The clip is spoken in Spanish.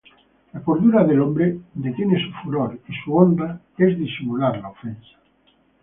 La cordura del hombre detiene su furor; Y su honra es disimular la ofensa.